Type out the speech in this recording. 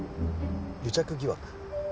癒着疑惑？